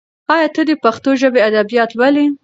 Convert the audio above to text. ایا ته د پښتو ژبې ادبیات لولي؟